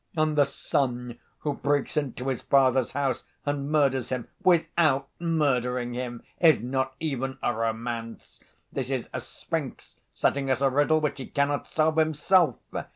And the son who breaks into his father's house and murders him without murdering him is not even a romance—this is a sphinx setting us a riddle which he cannot solve himself.